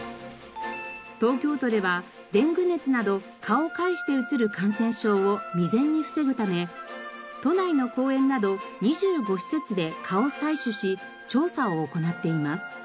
東京都ではデング熱など蚊を介してうつる感染症を未然に防ぐため都内の公園など２５施設で蚊を採取し調査を行っています。